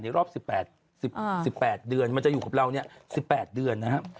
รอบ๑๘เดือนมันจะอยู่กับเราเนี่ย๑๘เดือนนะครับ